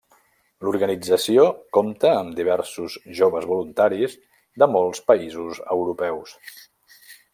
L'organització compta amb diversos joves voluntaris de molts Països europeus.